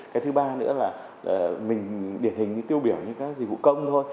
cái thứ ba nữa là mình điển hình như tiêu biểu như các dịch vụ công thôi